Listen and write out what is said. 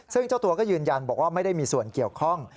ซึ่งเจ้าตัวก็ยืนยันบอกว่าไม่ได้มีส่วนเกี่ยวข้อง